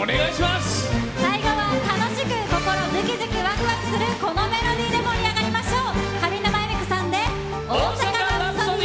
最後は楽しく心ズキズキワクワクするこのメロディーで盛り上がりましょう！